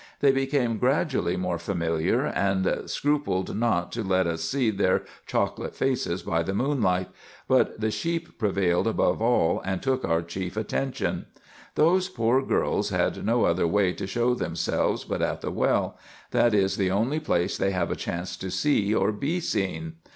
They became gradually more familiar, and scrupled not to let us see their chocolate faces by the moonlight ; but the sheep prevailed above all, and took our chief attention. 336 RESEARCHES AND OPERATIONS Those poor girls had no other way to show themselves but at the well ; that is the only place they have a chance to see or be seen.